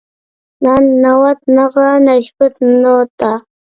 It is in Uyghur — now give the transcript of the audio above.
نان، ناۋات، ناغرا، نەشپۈت، نوتا.